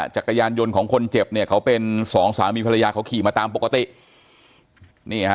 จักรยานยนต์ของคนเจ็บเขาเป็น๒สามีภรรยาเขาขี่มาตามปกติ